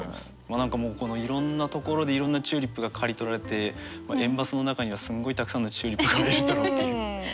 もう何かいろんなところでいろんなチューリップが刈りとられて園バスの中にはすんごいたくさんのチューリップがあるんだろうっていう。